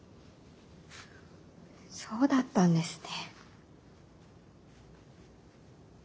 そうだったんですね。